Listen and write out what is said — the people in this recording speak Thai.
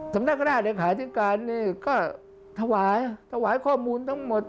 สำนักงานเลขาธิการนี่ก็ถวายถวายข้อมูลทั้งหมด